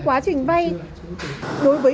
quá trình vay đối với